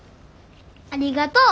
ありがとう！